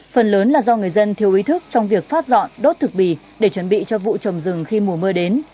phần lớn là do người dân thiếu ý thức trong việc phát dọn đốt thực bì để chuẩn bị cho vụ trồng rừng khi mùa mưa đến